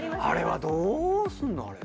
あれはどうすんの？